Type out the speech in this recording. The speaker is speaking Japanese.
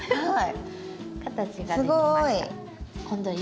はい。